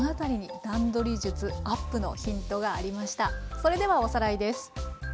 それではおさらいです。